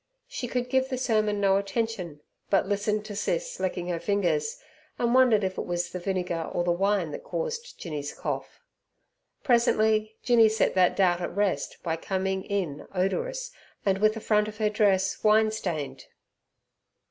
She could give the sermon no attention, but listened to Sis licking her fingers, and wondered if it was the vinegar or the wine that caused Jinny's cough. Presently Jinny set that doubt at rest by coming in odorous, and with the front of her dress wine stained.